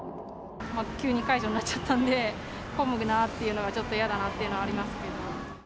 急に解除になっちゃったんで、混むなっていうのは、ちょっとやだなというのはありますけど。